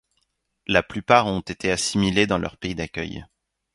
La plupart ont été assimilés dans leurs pays d'accueil.